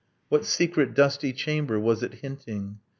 ... What secret dusty chamber was it hinting?